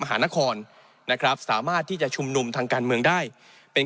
หานครนะครับสามารถที่จะชุมนุมทางการเมืองได้เป็น